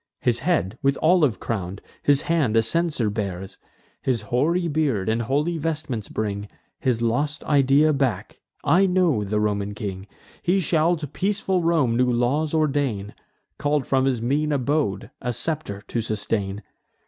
His head with olive crown'd, his hand a censer bears, His hoary beard and holy vestments bring His lost idea back: I know the Roman king. He shall to peaceful Rome new laws ordain, Call'd from his mean abode a scepter to sustain.